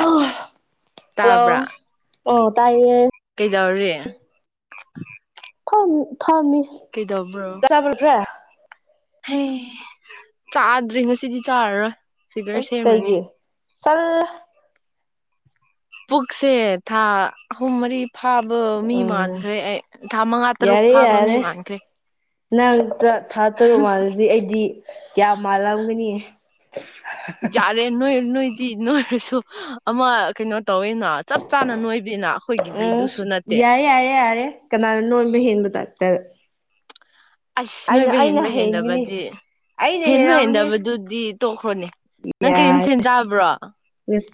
ꯑ ꯍꯜꯂꯣ ꯇꯥꯕ꯭ꯔꯥ ꯑꯣ ꯇꯥꯏꯌꯦ ꯗꯎꯔꯤ ꯐꯝ ꯐꯝꯃꯤ ꯇꯥꯕꯔꯥ ꯍꯩ ꯆꯥꯗ꯭ꯔꯤ ꯉꯁꯤꯗꯤ ꯆꯥꯔꯔꯣꯏ ꯐꯤꯒꯔ ꯁꯦꯝꯔꯅꯤ ꯇꯜꯂꯦ ꯄꯨꯛꯁꯦ ꯊꯥ ꯑꯍꯨꯝ ꯃꯔꯤ ꯐꯥꯕ ꯃꯤ ꯎꯝ ꯃꯥꯟꯈ꯭ꯔꯦ ꯑꯩ ꯊꯥ ꯃꯉꯥ ꯇꯔꯨꯛ ꯐꯥꯕ ꯃꯤ ꯃꯥꯟꯈ꯭ꯔꯦ ꯅꯪꯛꯇ ꯊꯥ ꯇꯔꯨꯛ ꯃꯥꯜꯂꯗꯤ ꯑꯩꯗꯤ ꯌꯥꯝ ꯃꯥꯜꯂꯝꯒꯅꯤ ꯖꯥꯔꯦ ꯅꯣꯏ ꯅꯣꯏ ꯇꯤ ꯅꯣꯏꯔꯁꯨ ꯑꯃ ꯀꯩꯅꯣ ꯇꯧꯋꯤꯅ ꯆꯞ ꯆꯥꯅ ꯅꯣꯏꯕꯤꯅ ꯑꯩꯈꯣꯏꯒꯤꯗꯤ ꯎꯝ ꯑꯗꯨꯁꯨ ꯅꯠꯇꯦ ꯌꯥꯔꯦ ꯌꯥꯔꯦ ꯌꯥꯔꯦ ꯀꯅꯥꯅ ꯅꯣꯏꯕ ꯍꯦꯟꯕ ꯇꯥꯛꯇ ꯑꯁ ꯑꯩꯅ ꯅꯣꯏꯕ ꯑꯩꯅ ꯍꯦꯟꯕ ꯍꯦꯟꯒꯤꯅꯤ ꯍꯦꯟꯗꯕꯗꯤ ꯑꯩꯅ ꯍꯦꯟꯕ ꯍꯦꯜꯂꯝꯅꯤ ꯍꯦꯟꯗꯕꯗꯨꯗꯤ ꯇꯣꯛꯈ꯭ꯔꯣꯅꯦ ꯇꯤ ꯅꯪ ꯀꯔꯤ ꯃꯊꯦꯜ ꯌꯥꯔ ꯆꯥꯕ꯭ꯔꯣ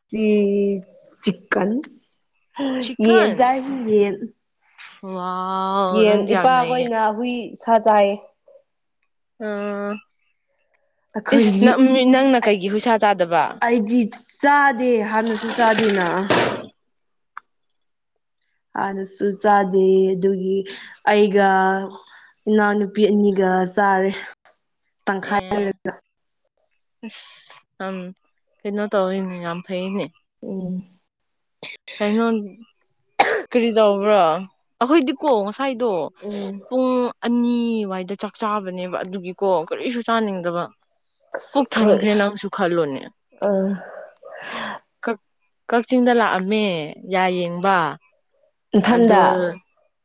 ꯇꯤ ꯆꯤꯛꯀꯟ ꯌꯦꯟ ꯆꯤꯛꯀꯟ ꯆꯥꯏ ꯌꯦꯟ ꯋꯥꯎ ꯌꯦꯟ ꯅꯪꯗꯤ ꯌꯥꯝ ꯅꯩꯌꯦ ꯏꯄꯥꯈꯣꯏꯅ ꯍꯨꯏ ꯁꯥ ꯆꯥꯏꯌꯦ ꯑ ꯏꯁ ꯑꯩꯈꯣꯏꯗꯤ ꯅ ꯅꯪꯅ ꯀꯩꯒꯤ ꯍꯨꯏꯁꯥ ꯆꯥꯗꯕ ꯑꯩꯗꯤ ꯆꯥꯗꯦ ꯍꯥꯟꯅꯁꯨ ꯆꯥꯗꯦꯅ ꯍꯥꯟꯅꯁꯨ ꯆꯥꯗꯦ ꯑꯗꯨꯒꯤ ꯑꯩꯒ ꯏꯅꯥꯎꯅꯨꯄꯤ ꯑꯅꯤꯒ ꯆꯥꯔꯦ ꯇꯪꯈꯥꯏ ꯂꯩꯔꯒ ꯎꯝ ꯀꯩꯅꯣ ꯇꯧꯑꯦꯅꯤ ꯌꯥꯝ ꯐꯩꯌꯦꯅꯦ ꯎꯝ ꯀꯩꯅꯣ ꯀꯔꯤ ꯇꯧꯕ꯭ꯔꯥ ꯑꯩꯈꯣꯏꯗꯤꯀꯣ ꯉ ꯁꯥꯏꯗꯣ ꯎꯝ ꯄꯨꯡ ꯑꯅꯤꯋꯥꯏꯗ ꯆꯥꯛ ꯆꯥꯕꯅꯦꯕ ꯑꯗꯨꯒꯤꯀꯣ ꯀꯔꯤꯁꯨ ꯆꯥꯅꯤꯡꯗꯕ ꯑꯁ ꯄꯨꯛ ꯍꯣꯏ ꯊꯟꯈ꯭ꯔꯦ ꯅꯪꯁꯨ ꯈꯜꯂꯣꯅꯦ ꯎꯝ ꯀ ꯀꯛꯆꯤꯡꯗ ꯂꯥꯛꯑꯝꯃꯦ ꯌꯥꯌꯦꯡꯕ ꯑꯗꯨ ꯏꯊꯟꯗ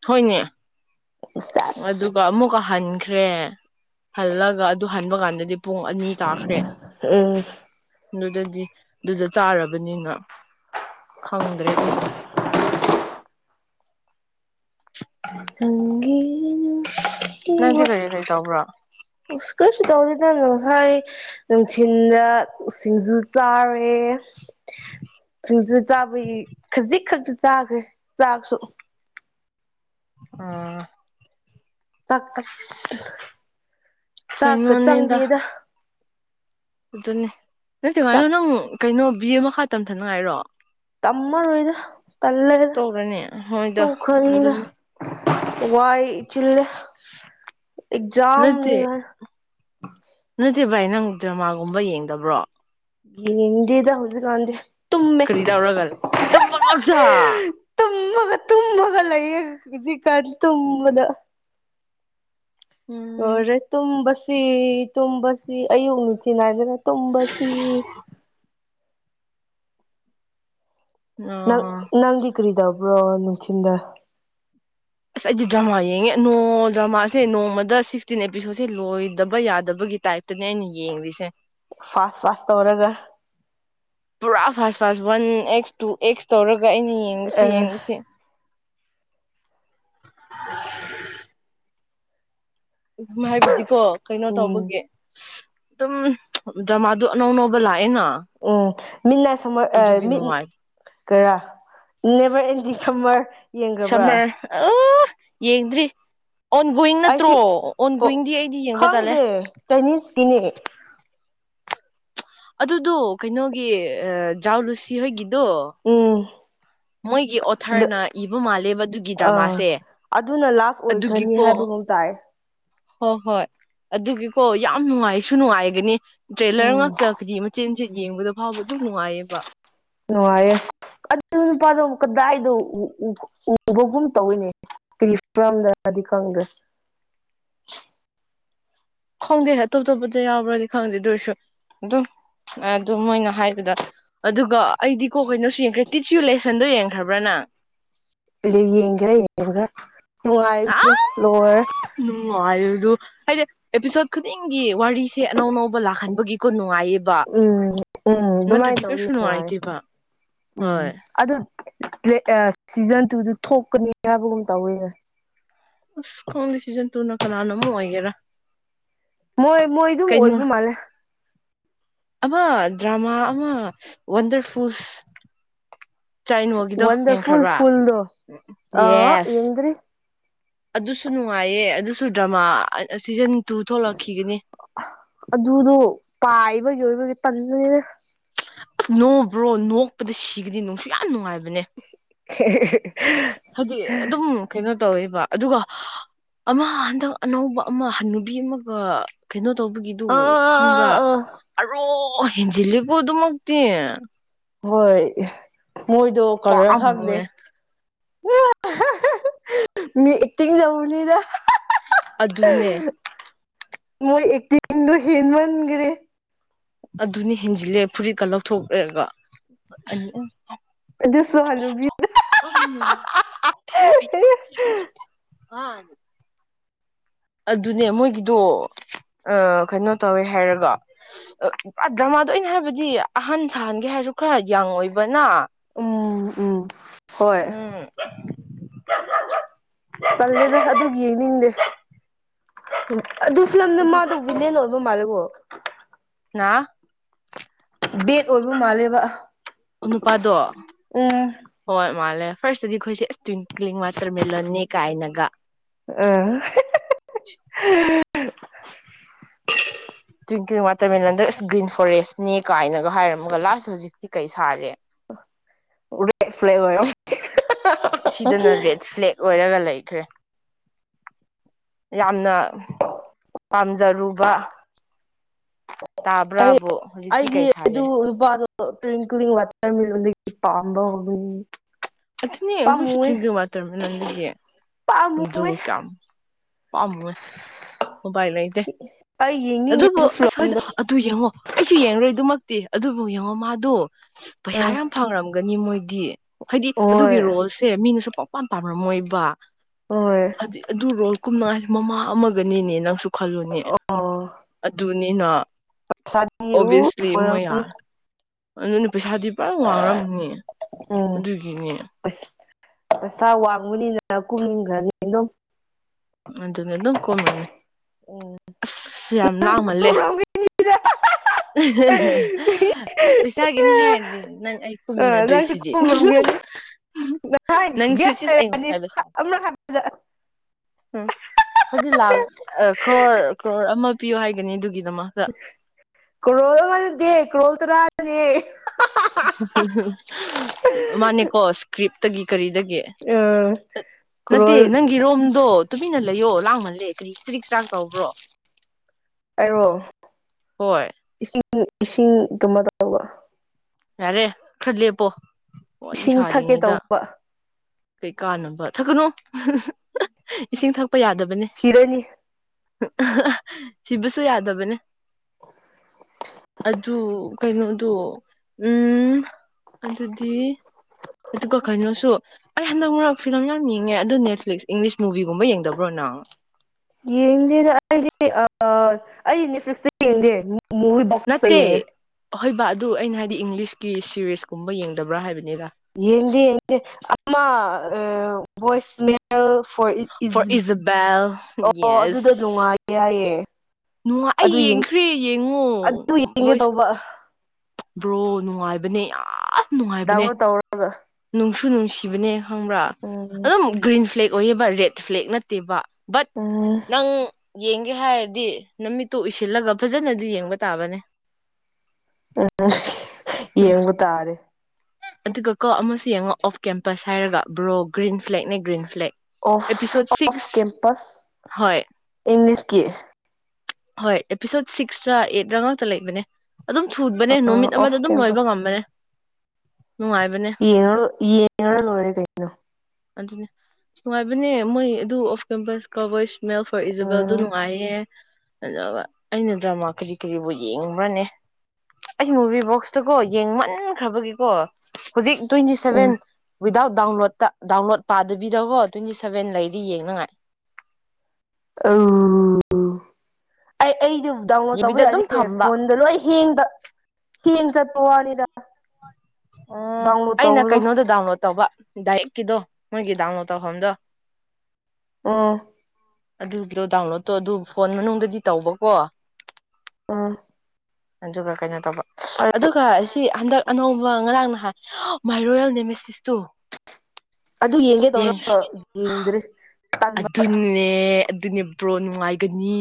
ꯍꯣꯏꯅꯦ ꯆꯁ ꯑꯗꯨꯒ ꯑꯃꯨꯛꯀ ꯍꯟꯈ꯭ꯔꯦ ꯍꯜꯂꯒ ꯑꯗꯨ ꯍꯟꯕ ꯀꯥꯟꯗꯗꯤ ꯄꯨꯡ ꯑꯅꯤ ꯇꯥꯈ꯭ꯔꯦ ꯎꯝ ꯑꯗꯨꯗꯗꯤ ꯑꯗꯨꯗ ꯆꯥꯔꯕꯅꯤꯅ ꯈꯪꯗ꯭ꯔꯦ ꯈꯣꯏꯁꯨ ꯅꯪꯒꯤ ꯅꯨꯡꯁꯤ ꯅꯪꯗꯤ ꯀꯔꯤ ꯀꯔꯤ ꯇꯧꯕ꯭ꯔꯣ [unintelligible] ꯑꯁ ꯀꯔꯤꯁꯨ ꯇꯧꯗꯦ [unintelligible] ꯉꯁꯥꯏ ꯅꯨꯡꯊꯤꯟꯗ ꯁꯤꯡꯖꯨ ꯆꯥꯔꯦ [inaudible] ꯁꯤꯡꯖꯨ ꯆꯥꯕꯩ ꯈꯖꯤꯛ ꯈꯛꯇ ꯆꯥꯈ꯭ꯔꯦ ꯆꯥꯛꯁꯨ ꯑꯥ ꯆꯥꯛ ꯑꯁ ꯆꯥꯛꯀ ꯀꯩꯅꯣꯅꯤꯗ ꯆꯪꯗꯦꯗ ꯑꯗꯨꯅꯦ ꯅꯠꯇꯦ ꯉꯥꯏꯅꯣ ꯆꯥꯛꯁꯦ ꯅꯪ ꯀꯩꯅꯣ ꯕꯤ ꯑꯦ ꯃꯈꯥ ꯇꯝꯊꯅꯉꯥꯏꯔꯣ ꯇꯝꯃꯔꯣꯏꯗ ꯇꯜꯂꯦꯗ ꯇꯧꯔꯅꯤ ꯍꯣꯏꯗ ꯇꯣꯛꯈ꯭ꯔꯅꯤꯗ ꯑꯗꯨꯅꯤ ꯋꯥꯏ ꯆꯤꯜꯂꯦ ꯑꯦꯛꯖꯝꯅꯤꯒ ꯇꯦ ꯚꯥꯏ ꯅꯪ ꯗ꯭ꯔꯃꯥꯒꯨꯝꯕ ꯌꯦꯡꯗꯕ꯭ꯔꯣ ꯌꯦꯡꯗꯦꯗ ꯍꯧꯖꯤꯛꯒꯥꯟꯗꯤ ꯀꯔꯤ ꯇꯧꯔꯒ ꯇꯨꯝꯕ ꯉꯥꯛꯇ ꯇꯨꯝꯃꯒ ꯇꯨꯝꯃꯒ ꯂꯩꯌꯦ ꯍꯧꯖꯤꯛꯀꯥꯟ ꯇꯨꯝꯕꯗ ꯎꯝ ꯂꯣꯏꯔꯦ ꯇꯨꯝꯕꯁꯤ ꯇꯨꯝꯕꯁꯤ ꯑꯌꯨꯛ ꯅꯨꯡꯊꯤꯜ ꯅꯥꯏꯗꯅ ꯇꯨꯝꯕꯁꯤ ꯅꯪ ꯑꯣ ꯅꯪꯗꯤ ꯀꯔꯤ ꯇꯧꯕ꯭ꯔꯣ ꯅꯨꯡꯊꯤꯟꯗ ꯑꯁ ꯑꯩꯗꯤ ꯗ꯭ꯔꯃꯥ ꯌꯦꯡꯉꯦ ꯅꯣꯡ ꯗ꯭ꯔꯃꯥꯁꯦ ꯅꯣꯡꯃꯗ ꯁꯤꯛꯁꯇꯤꯟ ꯑꯦꯄꯤꯁꯣꯠꯁꯦ ꯂꯣꯏꯗꯕ ꯌꯥꯗꯕꯒꯤ ꯒꯤ ꯇꯥꯏꯞꯇꯅꯦ ꯑꯩꯅ ꯌꯦꯡꯔꯤꯁꯦ ꯐꯥꯁ ꯐꯥꯁ ꯇꯧꯔꯒ [unintelligible] ꯋꯥꯟ ꯑꯦꯛꯁ ꯇꯨ ꯑꯦꯛꯁ ꯇꯧꯔꯒ ꯑꯩꯅ ꯌꯦꯡꯕꯁꯤ ꯑꯥ ꯌꯦꯡꯕꯁꯤ [inaudible] ꯎꯝ ꯍꯥꯏꯕꯗꯤꯀꯣ ꯀꯩꯅꯣ ꯎꯝ ꯇꯧꯕꯒꯤ ꯑꯗꯨꯝ ꯗ꯭ꯔꯃꯗꯣ ꯑꯗꯨ ꯑꯅꯧꯅꯧꯕ ꯂꯥꯛ ꯎꯝ ꯃꯤꯅ ꯁꯨꯃꯛ ꯑ ꯑꯗꯨꯒꯤ ꯃꯤꯠ ꯅꯨꯡꯉꯥꯏ ꯀꯔꯥ ꯅꯦꯕꯔ ꯑꯦꯟꯗꯤꯡ ꯁꯝꯃꯔ ꯌꯦꯡꯈ꯭ꯔꯕ꯭ꯔꯥ ꯁꯝꯃꯔ ꯑ ꯌꯦꯡꯗ꯭ꯔꯤ ꯑꯣꯟ ꯒꯣꯋꯤꯡ ꯅꯠꯇ꯭ꯔꯣ ꯑꯩꯁꯨ ꯑꯣꯟ ꯍꯣ ꯒꯣꯋꯤꯡꯗꯤ ꯑꯩꯗꯤ ꯌꯦꯡꯕ ꯇꯥꯜꯂꯦ ꯈꯪꯗꯦ ꯆꯥꯏꯅꯤꯁꯀꯤꯅꯦ ꯑꯗꯨꯗꯣ ꯀꯩꯅꯣꯒꯤ ꯑ ꯖꯥꯎ ꯂꯨꯁꯤ ꯍꯣꯏꯒꯤ ꯎꯝ ꯃꯣꯏꯒꯤ ꯑꯣꯊꯔꯅ ꯏꯕ ꯃꯥꯜꯂꯦꯕ ꯑꯗꯨꯒꯤ ꯑꯥ ꯗ꯭ꯔꯃꯥꯁꯦ ꯑꯗꯨꯅ ꯂꯥꯁ ꯑꯣꯏꯈ꯭ꯔꯅꯤ ꯑꯗꯨꯒꯤꯀꯣ ꯍꯥꯏꯕꯒꯨꯝ ꯇꯥꯏ ꯍꯣꯏ ꯍꯣꯏ ꯑꯗꯨꯒꯤꯀꯣ ꯌꯥꯝ ꯅꯨꯡꯉꯥꯏꯁꯨ ꯅꯨꯡꯉꯥꯏꯒꯅꯤ ꯇ꯭ꯔꯦꯂꯔ ꯎꯝ ꯉꯥꯛꯇ ꯀꯔꯤ ꯃꯆꯤꯠ ꯃꯆꯤꯠ ꯌꯦꯡꯕꯗ ꯐꯥꯎꯕ ꯑꯗꯨꯝ ꯅꯨꯡꯉꯥꯏꯌꯦꯕ ꯑꯦ ꯑꯗꯨ ꯅꯨꯄꯥꯗꯨꯕꯨ ꯀꯗꯥꯏꯗꯣ ꯎ ꯎ ꯎꯕꯒꯨꯝ ꯇꯧꯋꯦꯅꯦ ꯀꯔꯤ ꯐꯤꯝꯗꯔꯗꯤ ꯈꯪꯗ꯭ꯔꯦ ꯈꯪꯗꯦ ꯑꯇꯣꯞ ꯑꯇꯣꯞꯄꯗꯤ ꯌꯥꯎꯕ꯭ꯔꯗꯤ ꯈꯪꯗꯦ ꯑꯗꯨꯔꯁꯨ ꯑꯗꯨꯝ ꯑꯗꯨ ꯃꯣꯏꯅ ꯍꯥꯏꯕꯗ ꯑꯗꯨꯒ ꯑꯩꯗꯤ ꯀꯣ ꯀꯩꯅꯣꯁꯨ ꯌꯦꯡꯈ꯭ꯔꯦ ꯇꯤꯠꯁ ꯌꯨ ꯂꯦꯁꯟꯗꯣ ꯌꯦꯡꯈ꯭ꯔꯕ꯭ꯔꯥ ꯅꯪ ꯌꯦꯡꯒ꯭ꯔꯦ ꯌꯦꯡꯒ꯭ꯔꯦ ꯅꯨꯡꯉꯥꯢꯕꯗꯣ ꯂꯣꯏꯔꯦ ꯑꯗꯨ ꯑꯩꯗꯤ ꯑꯦꯄꯤꯁꯣꯠ ꯈꯨꯗꯤꯡꯒꯤ ꯋꯥꯔꯤꯁꯦ ꯑꯅꯧ ꯑꯅꯧꯕ ꯂꯥꯛꯍꯟꯕꯒꯤꯀꯣ ꯅꯣ ꯉꯥꯢꯌꯦꯕ ꯎꯝ ꯎꯝ ꯑꯗꯨꯃꯥꯏꯅ ꯅꯠꯇ꯭ꯔꯗꯤ ꯇꯧꯗꯤ ꯀ꯭ꯔꯤꯁꯨ ꯅꯨꯡꯉꯥꯏ ꯅꯨꯡꯉꯥꯏꯇꯦꯕ ꯍꯣꯏ ꯑ ꯁꯤꯖꯟ ꯇꯨꯗꯨ ꯊꯣꯛꯀꯅꯤ ꯍꯥꯏꯕꯒꯨꯝ ꯇꯧꯋꯦ ꯑꯁ ꯈꯪꯗꯦ ꯁꯤꯖꯟ ꯇꯨꯅ ꯀꯅꯥꯅ ꯑꯃꯨꯛ ꯑꯣꯏꯒꯦꯔꯥ ꯃꯣꯏ ꯃꯣꯏꯗꯨꯝ ꯀꯩꯅꯣ ꯑꯣꯏꯕ ꯃꯥꯜꯂꯦ ꯑꯃ ꯗ꯭ꯔꯥꯃꯥ ꯑꯃ ꯋꯥꯟꯗꯔꯐꯨꯜꯁ ꯆꯥꯢꯅꯣꯜꯒꯤꯗꯣ ꯋꯥꯟꯗꯔꯐꯨꯜ ꯌꯦꯡꯈ꯭ꯔꯕ꯭ꯔꯥ ꯐꯨꯜꯗꯣ ꯑ ꯌꯦꯁ ꯌꯦꯡꯗ꯭ꯔꯤ ꯑꯗꯨꯁꯨ ꯅꯨꯡꯉꯥꯏꯌꯦ ꯑꯗꯨꯁꯨ ꯗ꯭ꯔꯃꯥ ꯁꯤꯖꯟ ꯇꯨ ꯊꯣꯛꯂꯛꯈꯤꯒꯅꯤ ꯑꯗꯨꯗꯣ ꯄꯥꯏꯕꯒꯤ ꯑꯣꯏꯕꯒꯤ ꯇꯟꯕꯅꯦꯅꯦ ꯅꯣꯕ꯭ꯔꯣ ꯅꯣꯛꯄꯗ ꯁꯤꯒꯅꯤ ꯅꯨꯡꯁꯨ ꯌꯥꯝ ꯅꯨꯡꯉꯥꯏ ꯍꯦꯍꯦꯍꯦ ꯍꯥꯏꯗꯤ ꯑꯗꯨꯝ ꯀꯩꯅꯣ ꯇꯧꯋꯦꯕ ꯑꯗꯨꯒ ꯑꯃ ꯍꯟꯗꯛ ꯑꯅꯧꯕ ꯑꯃ ꯍꯅꯨꯕꯤ ꯑꯃꯒ ꯀꯩꯅꯣ ꯇꯧꯕꯒꯤꯗꯨ ꯑꯥ ꯈꯪꯕ꯭ꯔꯥ ꯑ ꯑꯔꯣ ꯍꯦꯟꯖꯤꯜꯂꯦꯀꯣ ꯑꯗꯨꯃꯛꯇꯤ ꯍꯣꯏ ꯃꯣꯏꯗꯣ [unintelligible] ꯈꯪꯗꯦ ꯄꯥꯝꯃꯨꯋꯦ ꯃꯦ ꯍꯥꯍꯥꯍꯥ ꯃꯤ ꯑꯦꯛꯇꯤꯡ ꯌꯧꯔꯨꯅꯤꯗ ꯑꯗꯨꯅꯦ ꯃꯣꯏ ꯑꯦꯛꯇꯤꯡꯗꯣ ꯍꯟꯃꯟꯒ꯭ꯔꯦ ꯑꯗꯨꯅꯤ ꯍꯦꯟꯖꯤꯜꯂꯦ ꯐꯨꯔꯤꯠꯀ ꯂꯧꯊꯣꯛꯂꯦꯒ ꯑꯗꯨꯁꯨ ꯍꯅꯨꯕꯤ [inaudible] [unintelligible] ꯑꯗꯨꯅꯦ ꯃꯣꯏꯒꯤꯗꯣ ꯑ ꯀꯩꯅꯣ ꯇꯧꯋꯦ ꯍꯥꯏꯔꯒ ꯗ꯭ꯔꯃꯥꯗꯣ ꯑꯩꯅ ꯍꯥꯏꯕꯗꯤ ꯑꯍꯟ ꯁꯥꯍꯟꯒꯦ ꯍꯥꯏꯔ ꯗꯨ ꯈꯔ ꯌꯪ ꯑꯣꯏꯕꯅ ꯎꯝ ꯎꯝ ꯍꯣꯏ ꯎꯝ ꯇꯜꯂꯦꯗ ꯑꯗꯨꯒꯤ ꯌꯦꯡꯅꯤꯡꯗꯦ ꯑꯗꯨ ꯐꯤꯂꯝꯗ ꯃꯥꯗꯣ ꯑꯗꯨꯅ ꯚꯤꯂꯤꯌꯟ ꯑꯣꯏ ꯃꯥꯜꯂꯦꯀꯣ ꯅꯥ ꯕꯦꯠ ꯑꯣꯏꯕ ꯃꯥꯜꯂꯦꯕ ꯅꯨꯄꯥꯗꯣ ꯎꯝ ꯍꯣꯏ ꯃꯥꯂꯦ ꯐꯥꯔꯁꯇꯗꯤ ꯑꯩꯈꯣꯏꯁꯦ ꯏꯁ ꯇꯨꯋꯤꯡꯀ꯭ꯂꯤꯡ ꯋꯥꯇꯔ ꯃꯦꯂꯟꯅꯦ ꯀꯥꯏꯅꯒ ꯑ ꯍꯥꯍꯥ ꯇꯨꯋꯤꯡꯀ꯭ꯂꯤꯡ ꯋꯥꯇꯔꯃꯦꯂꯟꯗꯣ ꯏꯁ ꯒ꯭ꯔꯤꯟ ꯐꯣꯔꯦꯁꯅꯦ ꯀꯥꯏꯅꯒ ꯍꯥꯏꯔꯝꯃꯒ ꯂꯥꯁ ꯍꯧꯖꯤꯛꯇꯤ ꯀꯩ ꯁꯥꯔꯦ [unintelligible] ꯁꯤꯗꯅ ꯔꯦꯠ ꯐ꯭ꯂꯦꯛ ꯑꯣꯏꯔꯒ ꯂꯩꯈ꯭ꯔꯦ ꯌꯥꯝꯅ ꯄꯥꯝꯖꯔꯨꯕ ꯑꯩ ꯇꯥꯕ꯭ꯔꯥꯕꯨ ꯍꯧꯖꯤꯛꯇꯤ ꯀꯩ ꯁꯥꯔꯦ ꯇꯨꯋꯤꯡꯀ꯭ꯂꯤꯡ ꯋꯥꯇꯔ ꯃꯦꯂꯣꯟꯗꯒꯤ ꯄꯥꯝꯕ ꯍꯧꯕꯅꯦ ꯑꯗꯨꯅꯦ ꯑꯩꯈꯣꯏꯁꯨ ꯇꯔꯤꯡꯀꯤꯡ ꯋꯥꯇꯔ ꯃꯦꯂꯣꯟꯗꯒꯤ ꯄꯥꯝꯃꯨꯋꯦ ꯑꯗꯨꯒ ꯀꯌꯥꯝ ꯄꯝꯃꯨꯢ ꯎꯄꯥꯏ ꯂꯩꯇꯦ ꯑꯩ ꯑꯗꯨꯕꯨ ꯌꯦꯡꯅꯤꯡꯗꯦ ꯑꯁ ꯍꯣꯏꯗ ꯐꯤꯂꯝꯗꯣ ꯑꯗꯨ ꯌꯦꯡꯉꯣ ꯑꯩꯁꯨ ꯌꯦꯡꯉꯔꯣꯏꯗꯨꯃꯛꯇꯤ ꯑꯗꯨꯕꯨ ꯌꯦꯡꯉꯣ ꯃꯥꯗꯣ ꯄꯩꯁꯥ ꯑꯥ ꯌꯥꯝ ꯐꯪꯔꯝꯒꯅꯤ ꯃꯣꯏꯗꯤ ꯍꯥꯏꯗꯤ ꯍꯣꯏ ꯑꯗꯨꯒꯤ ꯔꯣꯜꯁꯦ ꯃꯤꯅꯁꯨ ꯄꯥꯎ ꯄꯥꯝ ꯄꯥꯝꯔꯝꯃꯣꯏꯕ ꯍꯣꯏ ꯍꯥꯏꯗꯤ ꯑꯗꯨꯔꯣꯜ ꯀꯨꯝꯅꯉꯥꯏ ꯃꯃꯥ ꯑꯃꯒꯅꯤꯅꯦ ꯅꯪꯁꯨ ꯈꯜꯂꯨꯅꯦ ꯑꯣ ꯑꯗꯨꯅꯦꯅꯥ ꯁꯥꯗꯤ ꯑꯣꯕꯤꯌꯥꯁꯂꯤ ꯎꯐ ꯃꯣꯌꯥ ꯑꯣꯏꯔꯝꯃꯅꯤ ꯑꯗꯨꯅꯦ ꯄꯩꯁꯥꯗꯤ ꯄꯨꯔꯥ ꯋꯥꯡꯔꯝꯅꯤ ꯎꯝ ꯑꯗꯨꯒꯤꯅꯦ ꯑꯁ ꯄꯩꯁꯥ ꯋꯥꯡꯕꯅꯤꯅ ꯀꯨꯝꯈ꯭ꯔꯥꯅꯤ ꯑꯗꯨꯝ ꯑꯗꯨꯅꯦ ꯑꯗꯨꯝ ꯀꯣꯝꯔꯅꯤ [unintelligible] ꯍꯦ ꯍꯦ ꯍꯦ ꯄꯩꯁꯥꯒꯤꯅꯤ ꯍꯥꯏꯔꯗꯤ ꯅꯪ ꯑꯩ ꯑ ꯅꯪꯁꯨ ꯀꯨꯝꯃꯤꯟꯅꯗꯣꯏꯁꯤꯗꯤ ꯍꯨꯝ ꯍꯨꯝ ꯀꯨꯝꯔꯝꯒꯅꯤ ꯍꯨꯝ ꯍꯥꯏ ꯅꯪ ꯌꯦꯁ ꯁꯨꯁꯤꯁ ꯑꯩꯉꯣꯟ ꯍꯥꯏꯔꯛꯑꯅꯤ ꯍꯥꯏꯕ ꯁꯥꯏ ꯑꯃꯔꯛ ꯍꯥꯏꯕꯗ ꯎꯝ ꯍꯧꯖꯤꯛ ꯂꯥꯛ ꯀ꯭ꯔꯣꯔ ꯀ꯭ꯔꯣꯔ ꯑꯃ ꯄꯤꯌꯣ ꯍꯥꯏꯒꯅꯤ ꯑꯗꯨꯒꯤ ꯀ꯭ꯔꯣꯜ ꯑꯃ ꯅꯠꯇꯦ ꯀ꯭ꯔꯣꯜ ꯇꯔꯥꯗꯅꯦ ꯍ ꯍ ꯍ ꯃꯥꯅꯦꯀꯣ ꯏꯁꯀ꯭ꯔꯤꯞꯇꯒꯤ ꯀꯔꯤꯗꯒꯤ ꯑ ꯅꯠꯇꯦ ꯀꯔꯣꯜ ꯅꯪꯒꯤꯔꯣꯝꯗꯣ ꯇꯨꯃꯤꯟꯅ ꯂꯩꯌꯣ ꯂꯥꯡꯃꯜꯂꯦ ꯀꯔꯤ ꯆꯔꯤꯛ ꯆꯔꯥꯛ ꯇꯧꯕ꯭ꯔꯣ ꯑꯩꯔꯣ ꯍꯣꯏ ꯏꯁꯤꯡ ꯏꯁꯤꯡ ꯀꯃ ꯇꯧꯕ ꯌꯥꯔꯦ ꯈꯔ ꯂꯦꯞꯄꯣ ꯋꯥꯔꯤ ꯏꯁꯤꯡ ꯊꯛꯀꯦ ꯁꯥꯔꯤꯉꯩꯗ ꯇꯧꯕ ꯀꯥꯅꯕ ꯊꯛꯀꯅꯨ ꯏꯁꯤꯡ ꯊꯛꯄ ꯌꯥꯗꯕꯅꯦ ꯁꯤꯔꯅꯤ ꯍꯥ ꯍꯥ ꯁꯤꯕꯨꯁꯨ ꯌꯥꯗꯕꯅꯦ ꯑꯗꯨ ꯀꯩꯅꯣꯗꯣ ꯎꯝ ꯑꯗꯨꯗꯤ ꯑꯗꯨꯒ ꯀꯩꯅꯣꯁꯨ ꯑꯩ ꯍꯟꯗꯛ ꯃꯔꯛ ꯐꯤꯂꯝ ꯌꯥꯝ ꯌꯦꯡꯉꯦ ꯑꯗꯨ ꯅꯦꯠꯐ꯭ꯂꯤꯛꯁ ꯏꯪꯂꯤꯁ ꯃꯨꯚꯤꯒꯨꯝꯕ ꯌꯦꯡꯗꯕ꯭ꯔꯣꯅ [unintelligible] ꯌꯦꯡꯗꯦꯗ ꯑꯩꯗꯤ ꯑꯩ ꯑꯩ ꯅꯦꯠꯐ꯭ꯂꯤꯛꯁꯇ ꯌꯦꯡꯗꯦ ꯃꯨꯚꯤ ꯚꯣꯛꯁ ꯇꯣ ꯌꯦꯡꯉꯦ ꯑꯍꯣꯏꯕ ꯑꯗꯨ ꯑꯩꯅ ꯍꯥꯏꯗꯤ ꯏꯪꯂꯤꯁꯀꯤ ꯁꯤꯔꯤꯁꯀꯨꯝꯕ ꯌꯦꯡꯗꯕ꯭ꯔꯥ ꯍꯥꯏꯕ ꯌꯦꯡꯗꯦ ꯌꯦꯗꯦ ꯑꯃ ꯑ ꯕꯣꯏꯁ ꯃꯦꯜ ꯐꯣꯔ ꯐꯣꯔ ꯏꯖꯤ ꯏꯖꯕꯦꯜ ꯑꯣ ꯌꯦꯁ ꯑꯗꯨꯗ ꯅꯨꯡꯉꯥꯏ ꯍꯥꯏꯌꯦ ꯅꯨꯡꯉꯥꯏ ꯑꯩ ꯑꯗꯨ ꯌꯦꯡꯈ꯭ꯔꯦ ꯌꯦꯡꯉꯣ ꯑꯗꯨ ꯌꯦꯡꯒꯦ ꯚꯣꯏꯁ ꯇꯧꯕ ꯕ꯭ꯔꯣ ꯅꯨꯡꯉꯥꯏꯕꯅꯦ ꯌꯥꯝ ꯅꯨꯡꯉꯥꯏꯕꯅꯦ ꯗꯥꯎꯟꯂꯣꯠ ꯇꯧꯔꯒ ꯅꯨꯡꯁꯨ ꯅꯨꯡꯁꯤꯕꯅꯦ ꯈꯪꯕ꯭ꯔꯥ ꯎꯝ ꯑꯗꯨꯝ ꯒ꯭ꯔꯤꯟ ꯐ꯭ꯂꯦꯛ ꯑꯣꯏꯌꯦꯕ ꯔꯦꯠ ꯐ꯭ꯂꯦꯛ ꯅꯠꯇꯦꯕ ꯕꯠ ꯎꯝ ꯅꯪ ꯌꯦꯡ ꯒꯦ ꯍꯥꯏꯔꯗꯤ ꯅꯃꯤꯠꯇꯨ ꯎꯁꯤꯜꯂꯒ ꯐꯖꯅꯗꯤ ꯌꯦꯡꯕ ꯇꯥꯕꯅꯦ ꯑ ꯌꯦꯡꯕ ꯇꯥꯔꯦ ꯑꯗꯨꯒꯀꯣ ꯑꯃꯁꯨ ꯌꯦꯡꯉꯣ ꯑꯣꯐ ꯀꯦꯝꯄꯁ ꯍꯥꯏꯔꯒ ꯕ꯭ꯔꯣ ꯒ꯭ꯔꯤꯟ ꯐ꯭ꯂꯦꯛꯅꯦ green flag of episode of six campus ꯍꯣꯏ ꯏꯪꯂꯤꯁꯀꯤ ꯍꯣꯏ ꯑꯦꯄꯤꯁꯣꯠ ꯁꯤꯛꯁ ꯔꯥ ꯑꯩꯠ ꯔ ꯉꯥꯛꯇ ꯂꯩꯕꯅꯦ ꯑꯗꯨꯝ ꯊꯨꯕꯅꯦ ꯅꯨꯃꯤꯠ ꯑꯃꯗ ꯑꯣꯐ ꯑꯗꯨꯝ ꯂꯣꯏꯕ ꯀꯦꯝꯄꯁ ꯉꯝꯕꯅꯦ ꯅꯨꯡꯉꯥꯏꯕꯅꯦ ꯌꯦꯡꯉ ꯌꯦꯡꯉ ꯂꯣꯏꯔꯦ ꯀꯩꯅꯣ ꯑꯗꯨꯅꯦ ꯅꯨꯡꯉꯥꯏꯕꯅꯦ ꯃꯣꯏ ꯑꯗꯨ ꯑꯣꯐ ꯀꯦꯝꯄꯁ ꯀꯕꯔꯁ ꯃꯦꯜ ꯐꯣꯔ ꯏꯖꯕꯦꯜꯗꯣ ꯎꯝ ꯅꯨꯡꯉꯥꯏꯌꯦ ꯑꯗꯨꯒ ꯑꯩꯅ ꯗ꯭ꯔꯃꯥ ꯀꯔꯤ ꯀꯔꯤꯕꯨ ꯌꯦꯡꯕ꯭ꯔꯅꯦ ꯑꯩꯁ ꯃꯨꯚꯤꯕꯣꯛꯁꯇꯀꯣ ꯌꯦꯡꯃꯟꯈ꯭ꯔꯕꯒꯤꯀꯣ ꯍꯧꯖꯤꯛ ꯇ꯭ꯋꯦꯟꯇꯤ ꯁꯚꯦꯟ ꯎꯝ ꯋꯤꯗꯥꯎꯠ ꯗꯥꯎꯟꯂꯣꯗꯇ ꯗꯥꯎꯟꯂꯣꯗ ꯄꯥꯗꯕꯤꯗꯀꯣ ꯇ꯭ꯋꯦꯟꯇꯤ ꯁꯚꯦꯟ ꯂꯩꯔꯤ ꯌꯦꯡꯅꯉꯥꯏ ꯑꯧ ꯑꯩ ꯑꯩꯗꯨ ꯗꯥꯎꯟꯂꯣꯗ ꯇꯧꯕ ꯌꯦꯕꯤꯗ ꯑꯗꯨꯝ ꯌꯥꯗꯦ ꯊꯝꯕ ꯐꯣꯟꯗꯣ ꯂꯣꯏ ꯍꯦꯡꯗ ꯍꯦꯡ ꯆꯠꯄ ꯋꯥꯅꯤꯗ ꯑꯣ ꯗꯥꯎꯟꯂꯣꯗ ꯑꯩꯅ ꯇꯧꯕꯗꯣ ꯀꯩꯅꯣꯗꯨ ꯗꯥꯎꯟꯂꯣꯗ ꯇꯧꯕ ꯗꯥꯏꯔꯦꯛꯀꯤꯗꯣ ꯃꯣꯏꯒꯤ ꯗꯥꯎꯟꯂꯣꯗ ꯇꯧꯐꯝꯗꯣ ꯑꯣ ꯑꯗꯨꯒꯤꯗꯣ ꯗꯥꯎꯟꯂꯣꯗꯇꯨ ꯇꯨ ꯑꯗꯨ ꯐꯣꯟ ꯃꯅꯨꯡꯗꯗꯤ ꯇꯧꯕꯀꯣ ꯎꯝ ꯑꯗꯨꯒ ꯀꯩꯅꯣ ꯇꯧꯕ ꯑꯗꯨꯒ ꯁꯤ ꯍꯟꯗꯛ ꯑꯅꯧꯕ ꯕ ꯉꯔꯥꯡ ꯅꯍꯥꯟ ꯃꯥꯏ ꯔꯣꯌꯦꯜ ꯅꯦꯃꯦꯁꯤꯁꯇꯨ ꯑꯗꯨ ꯌꯦꯡꯒꯦ ꯌꯦꯡ ꯇꯧꯔꯒ ꯌꯦꯡꯗ꯭ꯔꯤ ꯇꯟꯕ ꯑꯗꯨꯅꯦ ꯑꯗꯨꯅꯦ ꯕ꯭ꯔꯣ ꯅꯨꯡꯉꯥꯏꯒꯅꯤ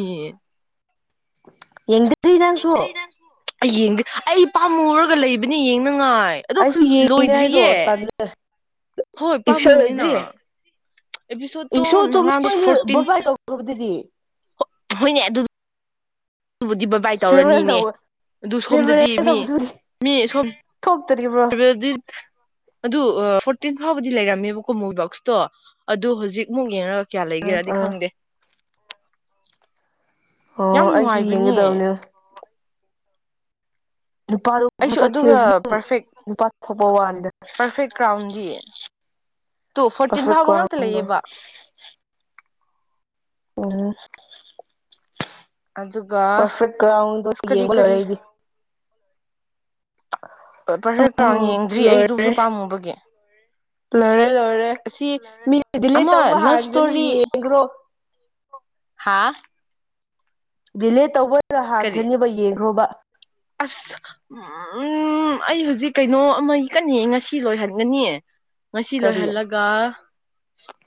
ꯌꯦꯡꯗ꯭ꯔꯤ ꯅꯪꯁꯨ ꯑꯩꯪ ꯌꯦꯡꯗ꯭ꯔꯤ ꯑꯩ ꯄꯥꯝꯃꯨꯔꯒ ꯂꯩꯕꯅꯤ ꯌꯦꯡꯅ ꯉꯥꯏ ꯑꯗꯨ ꯑꯩꯁꯨ ꯌꯦꯡꯉꯤꯅꯦ ꯑꯩꯗꯣ ꯂꯣꯏꯗ꯭ꯔꯤꯌꯦ ꯇꯜꯂꯦ ꯍꯣꯏ ꯏꯞꯁꯣ ꯄꯥꯝꯃꯨꯏꯌꯦꯅ ꯂꯣꯏꯗ꯭ꯔꯤ ꯑꯦꯄꯤꯁꯣꯗꯇꯣ ꯏꯞꯁꯣꯗꯣ ꯅꯍꯥꯟꯗꯣ ꯃꯣꯏꯅ ꯐꯣꯔꯇꯤꯟ ꯕꯕꯥꯏ ꯇꯧꯈ꯭ꯔꯕꯗꯨꯗꯤ ꯍꯣꯏꯅꯦ ꯑꯗꯨ ꯑꯗꯨꯕꯨꯗꯤ ꯕꯥ ꯕꯥꯏ ꯐꯦꯔꯋꯦꯜ ꯇꯧꯔꯅꯤꯅꯦ ꯇꯧꯕ ꯑꯗꯨ ꯁꯣꯝꯗꯗꯤ ꯐꯦꯔꯋꯦꯜ ꯃꯤ ꯇꯧꯕꯗꯨꯗꯤ ꯅꯦ ꯁꯣꯝ ꯊꯣꯛꯇ꯭ꯔꯤꯕ꯭ꯔꯣ ꯀꯔꯗꯤ ꯑꯗꯨ ꯑ ꯇꯦꯟ ꯐꯥꯎꯕꯗꯤ ꯂꯩꯔꯝꯃꯦꯕꯀꯣ ꯃꯣꯏꯒꯤ ꯕꯣꯛꯁꯇꯣ ꯑꯗꯨ ꯍꯧꯖꯤꯛ ꯃꯨꯛ ꯌꯦꯡꯉ ꯀꯌꯥ ꯎꯝ ꯂꯩꯒꯦꯔꯗꯤ ꯎꯝ ꯈꯪꯗꯦ ꯑꯣ ꯌꯥꯝ ꯑꯩꯁꯨ ꯅꯨꯡꯉꯥꯏꯕꯅꯦ ꯌꯦꯡꯒꯗꯕꯅꯦ ꯅꯨꯄꯥ ꯑꯗꯨ ꯑꯩꯁꯨ ꯃꯁꯛ ꯊꯤꯔꯁꯨ ꯑꯗꯨꯒ ꯄꯔꯐꯦꯛ ꯅꯨꯄꯥ ꯊꯣꯛꯄ ꯋꯥꯅꯤꯗ ꯄꯔꯐꯦꯛ ꯀ꯭ꯔꯥꯎꯟꯗꯤ ꯇꯨ ꯐꯣꯔꯇꯤꯟ ꯄꯔꯐꯦꯛ ꯐꯥꯎꯕ ꯉꯥꯛꯇ ꯀ꯭ꯔꯥꯎꯟꯗꯣ ꯂꯩꯌꯦꯕ ꯑꯣ ꯑꯗꯨꯒ ꯄꯔꯐꯦꯛ ꯒ꯭ꯔꯥꯎꯟꯗꯣ ꯑꯁ ꯌꯦꯡꯕ ꯂꯣꯏꯔꯦ ꯑꯩꯗꯤ ꯄꯥꯔꯐꯦꯛ ꯍꯦꯗ ꯒ꯭ꯔꯥꯎꯟ ꯑꯧ ꯌꯦꯡꯗ꯭ꯔꯤ ꯑꯩꯗꯨꯁꯨ ꯂꯣꯏꯔꯦ ꯄꯥꯝꯃꯨꯕꯒꯤ ꯂꯣꯏꯔꯦ ꯂꯣꯏꯔꯦ ꯑꯁꯤ ꯃꯤ ꯗꯤꯂꯦꯠ ꯑꯃ ꯇꯧꯕ ꯍꯥꯟꯒ꯭ꯔꯅꯤ ꯌꯦꯡꯒ꯭ꯔꯣ ꯍꯥꯥ ꯗꯤꯂꯦꯠ ꯇꯧꯕꯗ ꯀꯔꯤ ꯍꯥꯟꯒ꯭ꯔꯅꯤꯕ ꯌꯦꯡꯈ꯭ꯔꯣꯕ ꯑꯁ ꯎꯝ ꯑꯩ ꯍꯧꯖꯤꯛ ꯀꯩꯅꯣ ꯑꯃ ꯀꯟ ꯌꯦꯡ ꯉꯁꯤ ꯂꯣꯏꯍꯟꯒꯅꯤ ꯉꯁꯤ ꯂꯣꯏ ꯀꯔꯤ ꯍꯜꯂꯒ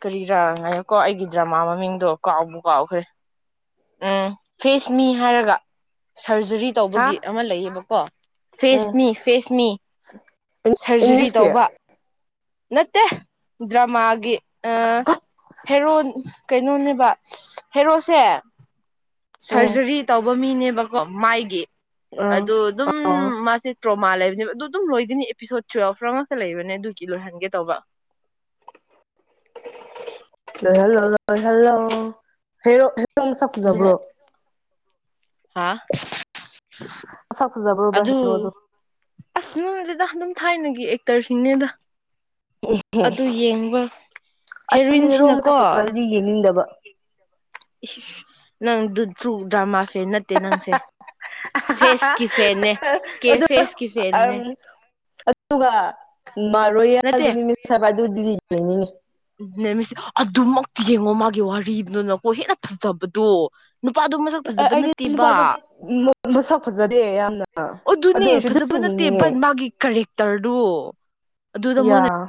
ꯀꯔꯤꯔꯥ ꯉꯥꯏꯈꯣꯀꯣ ꯑꯩꯒꯤ ꯗ꯭ꯔꯃꯥ ꯃꯃꯤꯡꯗꯣ ꯀꯥꯎꯕꯨ ꯀꯥꯎꯈ꯭ꯔꯦ ꯎꯝ ꯐꯤꯁ ꯃꯤ ꯍꯥꯏꯔꯒ ꯁꯔꯖꯔꯤ ꯍꯥ ꯇꯧꯕꯒꯤ ꯑꯃ ꯂꯩꯌꯦꯕꯀꯣ ꯐꯤꯁ ꯎꯝ ꯃꯤ ꯐꯤꯁ ꯃꯤ ꯁꯔꯖꯔꯤ ꯏꯪꯂꯤꯁꯀꯤ ꯇꯧꯕ ꯅꯠꯇꯦ ꯗ꯭ꯔꯃꯥꯒꯤ ꯑ ꯍꯦꯔꯣꯟ ꯀꯩꯅꯣꯅꯦꯕ ꯍꯦꯔꯣꯁꯦ ꯎꯝ ꯁꯔꯖꯔꯤ ꯇꯧꯕ ꯃꯤꯅꯦꯕꯀꯣ ꯃꯥꯏꯒꯤ ꯑꯥ ꯑꯗꯨ ꯑꯗꯨꯝ ꯑꯥ ꯃꯥꯁꯦ ꯃꯥ ꯂꯩꯕꯅꯦꯕ ꯑꯗꯨ ꯑꯗꯨꯝ ꯂꯣꯏꯒꯅꯤ ꯑꯦꯄꯤꯁꯣꯠ ꯇꯨꯋꯦꯜꯐ ꯉꯛꯇ ꯂꯩꯕꯅꯦ ꯑꯗꯨꯒꯤ ꯂꯣꯏꯍꯟꯒꯦ ꯇꯧꯕ [inaudible] ꯂꯣꯏꯍꯜꯂꯣ ꯂꯣꯏꯍꯜꯂꯣ ꯍꯦꯔꯣ ꯃꯁꯛ ꯑꯗꯨꯅ ꯐꯖꯕ꯭ꯔꯣ ꯍꯥ ꯃꯁꯛ ꯐꯖꯕ꯭ꯔꯣꯕ ꯑꯗꯨ ꯍꯦꯔꯣꯗꯣ ꯑꯁ ꯅꯣꯢꯗꯦꯗ ꯑꯗꯨꯝ ꯊꯥꯏꯅꯒꯤ ꯑꯦꯛꯇꯔꯁꯅꯤꯗ ꯑꯗꯨ ꯌꯦꯡꯕ ꯑꯩꯗꯤ ꯍꯦꯔꯣ ꯃꯁꯛ ꯍꯦꯔꯣꯏꯟꯁꯤꯅꯀꯣ ꯐꯖꯔꯗꯤ ꯌꯦꯡꯅꯤꯡꯗꯕ ꯅꯪ ꯗꯨ ꯊ꯭ꯔꯨ ꯗ꯭ꯔꯃꯥ ꯐꯦꯟ ꯅꯠ ꯇꯦ ꯅꯪꯁꯦ ꯐꯦꯁꯀꯤ ꯐꯦꯟꯅꯦ ꯀꯦ ꯑꯗꯨ ꯐꯦꯁꯀꯤ ꯐꯦꯟꯅꯦ ꯑꯗꯨꯒ ꯃꯔꯣꯏ ꯌꯥꯅꯤ ꯃꯤꯊ ꯑꯗꯨꯕꯨꯗꯤ ꯌꯦꯡꯅꯤꯡꯉꯤ ꯅꯦꯃꯤꯁ ꯑꯗꯨꯃꯛꯇꯤ ꯌꯦꯡꯉꯣ ꯃꯥꯒꯤ ꯋꯥꯔꯤꯗꯨꯅꯀꯣ ꯍꯦꯟꯅ ꯐꯖꯕꯗꯣ ꯅꯨꯄꯥꯗꯨ ꯃꯁꯛ ꯐꯖꯕ ꯑꯩꯗꯤ ꯅꯠꯇꯦꯕ ꯅꯨꯄꯥꯗꯣ ꯃꯁꯛ ꯐꯖꯗꯦ ꯌꯥꯝꯅ ꯑꯗꯨꯅꯦ ꯑꯗꯨ ꯑꯣꯏꯔꯁꯨ ꯐꯖꯕ ꯑꯗꯨꯝ ꯅꯠꯇꯦꯕ ꯌꯦꯡꯅꯤꯡꯉꯦ ꯃꯥꯒꯤ ꯀꯥꯔꯦꯛꯇꯔꯗꯣ ꯌꯥ